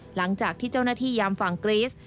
หลังจากที่เจ้าหน้าที่ยามฝั่งกรีส